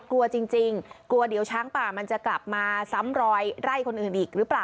กลัวจริงกลัวเดี๋ยวช้างป่ามันจะกลับมาซ้ำรอยไล่คนอื่นอีกหรือเปล่า